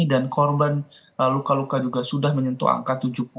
korban luka luka juga sudah menyentuh angka tujuh puluh